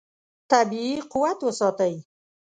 طبیعي قوت وساتئ.